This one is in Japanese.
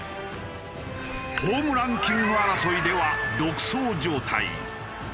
ホームランキング争いでは独走状態。